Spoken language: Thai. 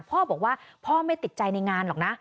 พ่อบอกว่าพ่อไม่ติดใจในงานหรอกนะ